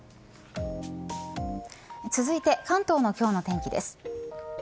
続いて、関東の今日の天気です。